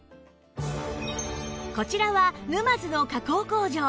こちらは沼津の加工工場